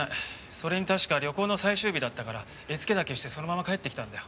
それに確か旅行の最終日だったから絵付けだけしてそのまま帰ってきたんだよ。